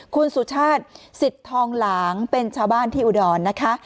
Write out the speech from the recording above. คุณสุชาติสิทธิ์ทองหลางเป็นชาวบ้านที่อุดรนะคะ